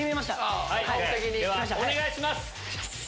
ではお願いします！